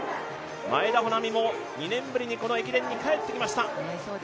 前田穂南も２年ぶりにこの駅伝に帰ってきました。